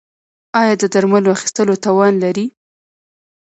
ایا د درملو اخیستلو توان لرئ؟